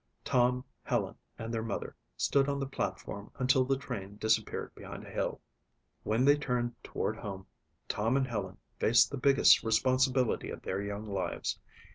Tom, Helen and their mother stood on the platform until the train disappeared behind a hill. When they turned toward home, Tom and Helen faced the biggest responsibility of their young lives.